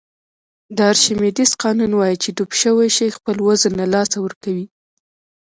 د ارشمیدس قانون وایي چې ډوب شوی شی خپل وزن له لاسه ورکوي.